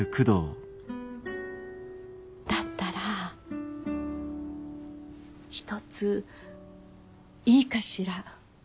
だったら一ついいかしら。